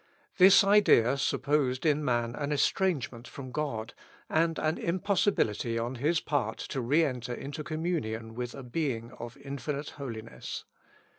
This idea supposed in man an estrangement from God, and an impossibility on his part to reenter into communion with a Being of infinite holiness.